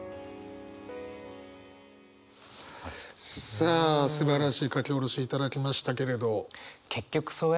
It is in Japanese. さあすばらしい書き下ろしいただきましたけれど。